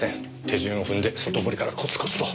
手順を踏んで外堀からコツコツと。